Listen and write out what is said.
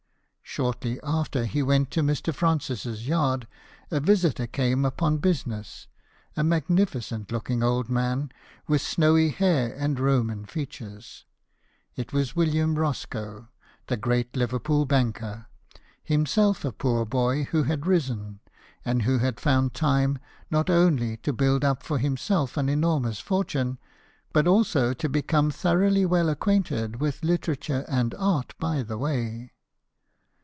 Shortly after he went to Mr. Francis's yard, a visitor came upon business, a magnificent looking old man, with snowy hair and Roman features. It was William Roscoe, the great Liverpool banker, himself a poor boy who had risen, and who had found time not only to build up for himself an enormous fortune, but also to become thoroughly well acquainted with literature and art by the way.